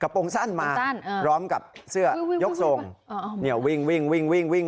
กระโปรงชั้นมาร้องกับเสื้อยกทรง